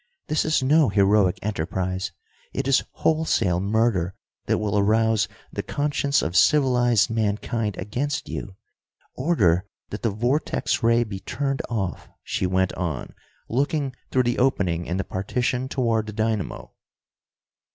This is no heroic enterprise, it is wholesale murder that will arouse the conscience of civilized mankind against you! Order that the vortex ray be turned off," she went on, looking through the opening in the partition toward the dynamo.